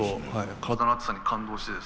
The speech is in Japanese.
体の熱さに感動してですね。